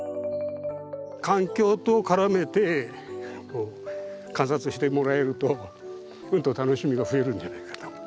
環境と絡めて観察してもらえるとうんと楽しみが増えるんじゃないかと。